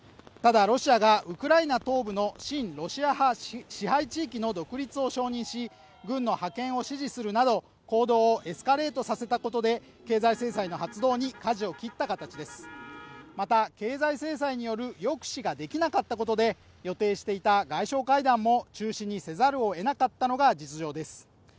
ただロシアがウクライナ東部の親ロシア派支配地域の独立を承認し軍の派遣を指示するなど行動をエスカレートさせたことで経済制裁の発動に舵を切った形ですまた経済制裁による抑止ができなかったことで予定していた外相会談も中止にせざるを得なかったのが実情です